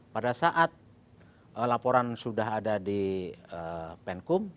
pada saat laporan sudah ada di penkum